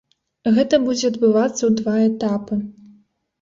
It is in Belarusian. Гэта будзе адбывацца ў два этапы.